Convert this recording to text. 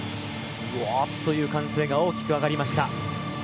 「おお」という歓声が大きく上がりました。